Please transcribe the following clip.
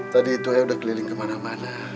tadi tuh ayah udah keliling kemana mana